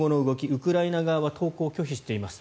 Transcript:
ウクライナ側は投降を拒否しています。